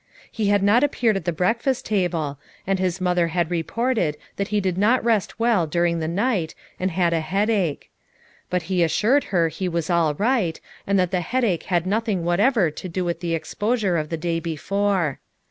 He had not appeared at the breakfast table, and his mother had re ported that he did not rest well during the night and had a headache; but that he assured her he was all right, and that the headache had nothing whatever to do with the exposure of tho 206 FOUK MOTHERS AT CHAUTAUQUA day before.